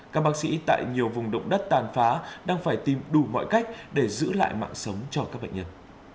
các bác sĩ tại nhiều vùng động đất tàn phá đang phải tìm đủ mọi cách để giữ lại mạng sống cho các bệnh nhân